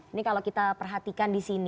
ini kalau kita perhatikan di sini